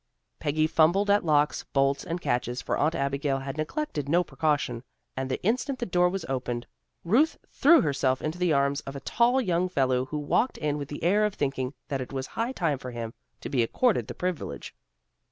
Peggy fumbled at locks, bolts and catches, for Aunt Abigail had neglected no precaution, and the instant the door was opened, Ruth threw herself into the arms of a tall young fellow who walked in with the air of thinking that it was high time for him to be accorded the privilege.